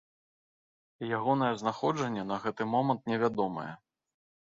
Ягонае знаходжанне на гэты момант невядомае.